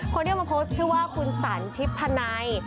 คนที่เอามาโพสต์ชื่อว่าคุณสันทิพพนัย